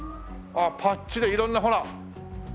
ああパッチで色んなほら。